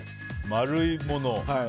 丸いもの